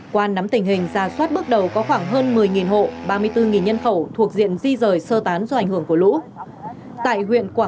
qua nắm tình hình ra soát bước đầu có khoảng hơn một mươi hộ ba mươi bốn nhân khẩu thuộc diện di rời sơ tán do ảnh hưởng của lũ